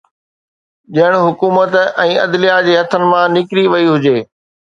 ڄڻ حڪومت ۽ عدليه جي هٿن مان نڪري وئي هجي